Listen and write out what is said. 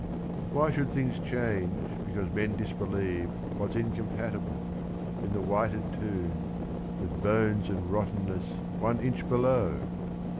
"Why should things change because men disbelieve What 's incompatible, in the whited tomb, With bones and rottenness one inch below?